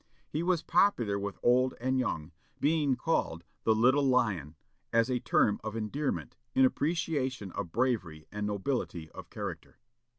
He was popular with old and young, being called the "Little Lion," as a term of endearment, in appreciation of bravery and nobility of character.